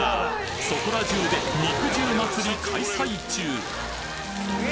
そこらじゅうで肉汁祭り開催中！